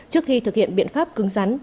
trước khi thực hiện biện pháp cứng rắn